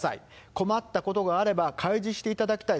困ったことがあれば開示していただきたい。